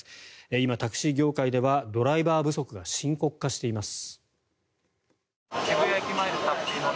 今、タクシー業界ではドライバー不足が深刻化しています。